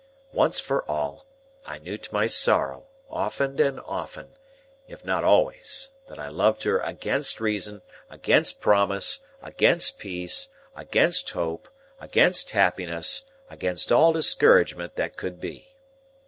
Once for all; I knew to my sorrow, often and often, if not always, that I loved her against reason, against promise, against peace, against hope, against happiness, against all discouragement that could be.